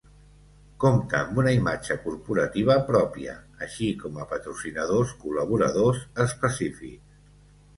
Compta amb una imatge corporativa pròpia, així com a patrocinadors col·laboradors específics.